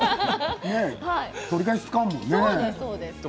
取り返しつかんもんね。